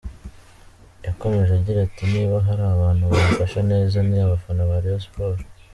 Yakomeje agira ati “Niba hari abantu bamfashe neza ni abafana ba Rayon Sports.